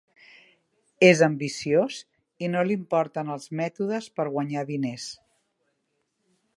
És ambiciós i no li importen els mètodes per guanyar diners.